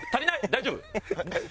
大丈夫？